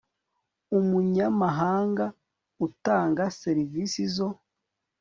umunyamahanga utanga serivisi zo